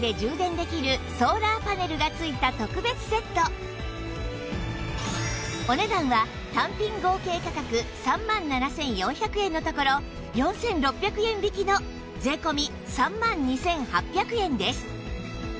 さらに今回はお値段は単品合計価格３万７４００円のところ４６００円引きの税込３万２８００円です